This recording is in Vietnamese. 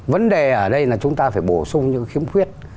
vấn đề ở đây là chúng ta phải bổ sung những khiếm khuyết